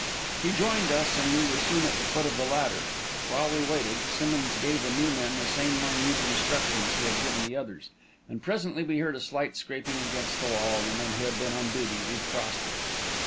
He joined us, and we were soon at the foot of the ladder. While we waited, Simmonds gave the new men the same minute instructions he had given the others; and presently we heard a slight scraping against the wall, and the men who had been on duty recrossed it.